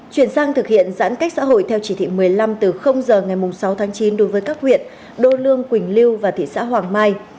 chuyển sang thực hiện giãn cách xã hội theo chỉ thị một mươi năm từ giờ ngày sáu tháng chín đối với các huyện đô lương quỳnh lưu và thị xã hoàng mai